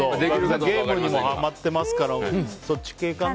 ゲームにもはまってるから、そっち系かな。